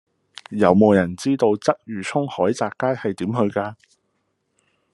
有無人知道鰂魚涌海澤街係點去㗎